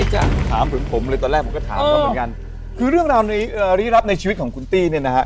หรือราวนี้ในชีวิตของคุณตี้เนี่ยฮะ